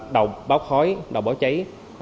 đầu báo khói đầu báo cháy